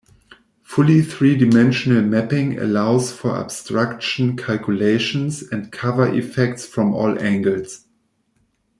Fully three-dimensional mapping allows for obstruction calculations and cover effects from all angles.